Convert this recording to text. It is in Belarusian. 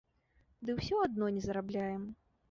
Ды ўсё адно не зарабляем.